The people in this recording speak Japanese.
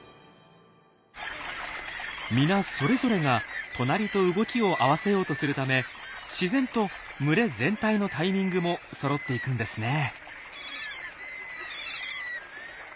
皆それぞれが隣と動きを合わせようとするため自然と群れ全体のタイミングもそろっていくんですね。